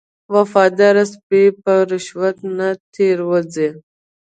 وفادار سپی په رشوت نه تیر وځي.